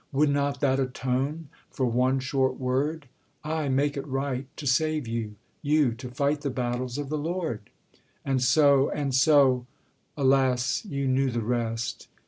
would not that atone For one short word? ay, make it right, to save You, you, to fight the battles of the Lord? And so and so alas! you knew the rest!